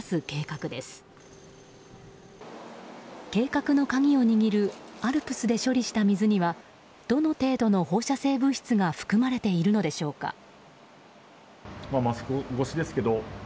計画の鍵を握るＡＬＰＳで処理した水にはどの程度の放射性物質が含まれているのでしょうか。